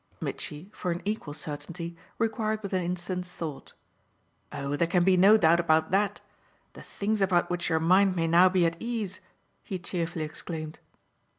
Mitchy, for an equal certainty, required but an instant's thought. "Oh there can be no doubt about THAT. The things about which your mind may now be at ease !" he cheerfully exclaimed.